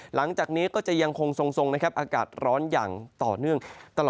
หลังจากนี้ก็จะยังคงทรงนะครับอากาศร้อนอย่างต่อเนื่องตลอด